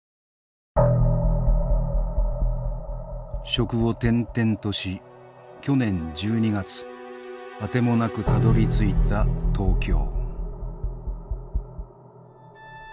職を転々とし去年１２月あてもなくたどりついた東京。